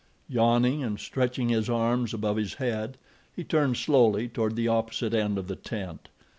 Yawning, and stretching his arms above his head, he turned slowly toward the opposite end of the tent.